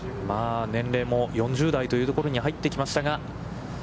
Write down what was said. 年齢も４０代というところに入ってきましたが。